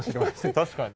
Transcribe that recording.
確かに。